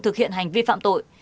thực hiện hành vi phạm tội